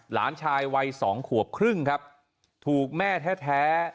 หลานชายวัยสองขวบครึ่งครับถูกแม่แท้